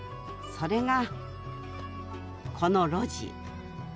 それがこの路地！